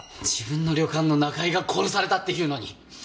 自分の旅館の仲居が殺されたっていうのに。